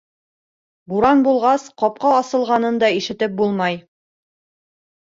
- Буран булғас, ҡапҡа асылғанын да ишетеп булмай.